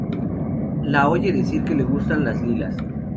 La oye decir que le gustan las lilas.